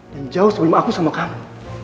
dan jauh sebelum aku sama kamu